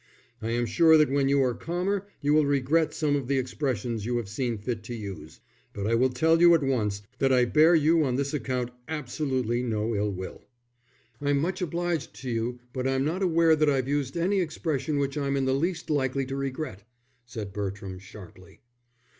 I am sure that when you are calmer you will regret some of the expressions you have seen fit to use. But I will tell you at once that I bear you on this account absolutely no ill will." "I'm much obliged to you, but I'm not aware that I've used any expression which I'm in the least likely to regret," said Bertram, sharply.